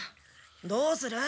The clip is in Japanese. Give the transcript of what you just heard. どうする？